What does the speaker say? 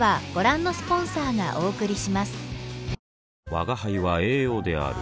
吾輩は栄養である